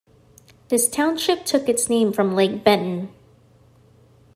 This township took its name from Lake Benton.